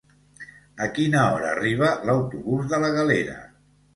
A quina hora arriba l'autobús de la Galera?